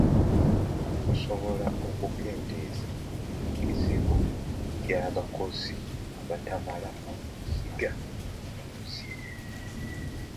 Okusobola okukendeeza ku kizibu ky'abakozi abatamala mu ssiga eddamuzi.